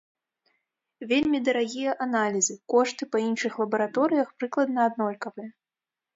Вельмі дарагія аналізы, кошты па іншых лабараторыях прыкладна аднолькавыя.